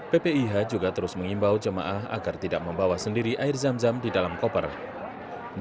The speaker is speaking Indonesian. ppih juga terus mengimbau jemaah agar tidak membawa sendiri air zam zam di dalam koper